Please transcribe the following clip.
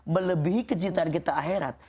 melebihi kecintaan kita akhirat